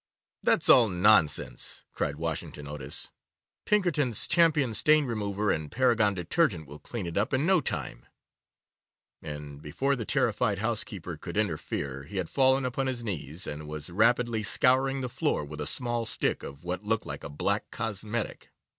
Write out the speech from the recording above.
'That is all nonsense,' cried Washington Otis; 'Pinkerton's Champion Stain Remover and Paragon Detergent will clean it up in no time,' and before the terrified housekeeper could interfere he had fallen upon his knees, and was rapidly scouring the floor with a small stick of what looked like a black cosmetic.